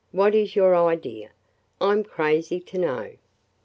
What is your idea? I 'm crazy to know."